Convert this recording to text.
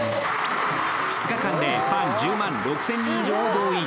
２日間でファン１０万６０００人以上を動員。